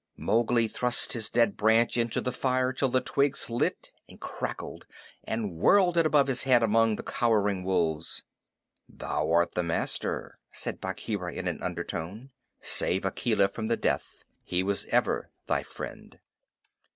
Mowgli thrust his dead branch into the fire till the twigs lit and crackled, and whirled it above his head among the cowering wolves. "Thou art the master," said Bagheera in an undertone. "Save Akela from the death. He was ever thy friend."